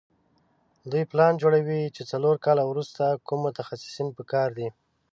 دوی پلان جوړوي چې څلور کاله وروسته کوم متخصصین په کار دي.